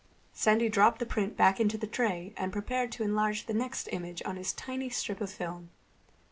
Sandy dropped the print back into the tray and prepared to enlarge the next image on his tiny strip of film.